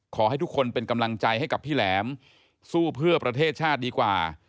ขอให้ทุกคนเป็นกำลังใจให้กับพี่แหลมสู้เพื่อประเทศชาติดีกว่า